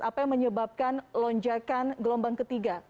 apa yang menyebabkan lonjakan gelombang ketiga